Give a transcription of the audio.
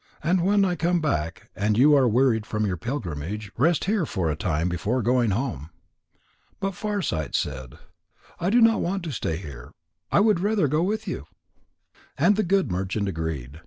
And when I come back, and you are wearied from your pilgrimage, rest here for a time before going home." But Farsight said: "I do not want to stay here. I would rather go with you." And the good merchant agreed.